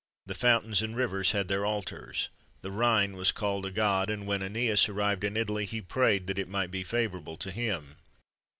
The fountains and rivers had their altars. The Rhine was called a god; and when Æneas arrived in Italy, he prayed it might be favourable to him.